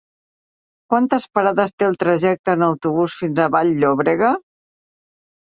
Quantes parades té el trajecte en autobús fins a Vall-llobrega?